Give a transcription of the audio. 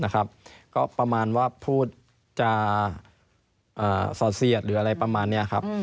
ก็ประมาณว่าพูดจะสอดเสียดหรืออะไรประมาณนี้ครับ